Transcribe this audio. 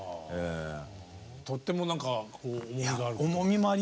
とっても何かこう重みがある。